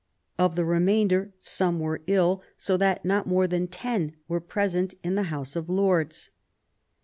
Of the remainder, some were ill, so that not more than ten were present in the House of Lords.